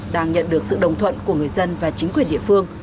đang nhận được sự đồng thuận của người dân và chính quyền địa phương